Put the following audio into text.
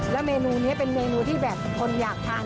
แล้วเมนูนี้เป็นเมนูที่แบบคนอยากทาน